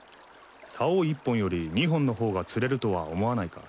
さお１本より２本の方が釣れるとは思わないか？